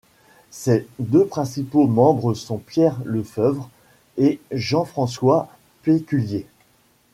Ses deux principaux membres sont Pierre le Feuvre et Jean-François Péculier.